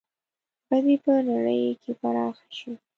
بدي به په نړۍ کې پراخه شي.